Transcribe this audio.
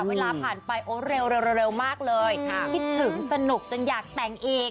เวลาผ่านไปโอ้เร็วมากเลยคิดถึงสนุกจนอยากแต่งอีก